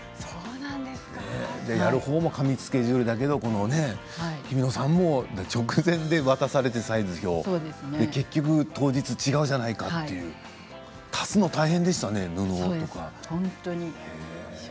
やる方も過密スケジュールだけどひびのさんも直前で渡されてサイズ表を結局、当日違うじゃないかと足すのは大変でしたね布とか。